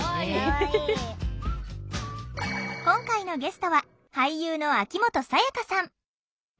今回のゲストは俳優の秋元才加さん。